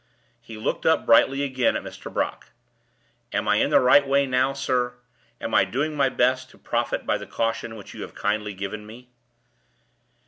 He looked up brightly again at Mr. Brock. "Am I in the right way now, sir? Am I doing my best to profit by the caution which you have kindly given me?"